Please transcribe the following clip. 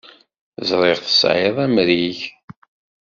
Ẓriɣ tesɛiḍ amrig.